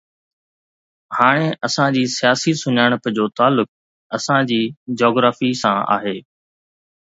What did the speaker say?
هاڻي اسان جي سياسي سڃاڻپ جو تعلق اسان جي جاگرافي سان آهي.